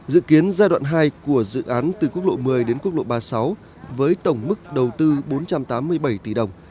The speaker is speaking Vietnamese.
dự kiến giai đoạn hai của dự án từ quốc lộ một mươi đến quốc lộ ba mươi sáu với tổng mức đầu tư bốn trăm tám mươi bảy tỷ đồng